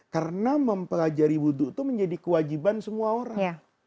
karena mempelajari wudhu itu menjadi kewajiban semua orang